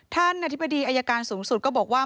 ท่านอธิบดีอายการสูงสุดก็บอกว่า